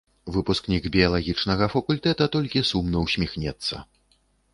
Выпускнік біялагічнага факультэта толькі сумна ўсміхнецца.